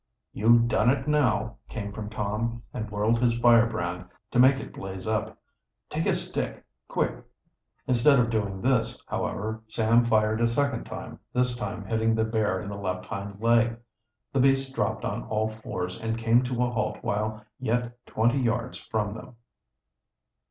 "You've done it now," came from Tom, and whirled his firebrand, to make it blaze up. "Take a stick, quick!" Instead of doing this, however, Sam fired a second time, this time hitting the bear in the left hind leg. The beast dropped on all fours and came to a halt while yet twenty yards from them.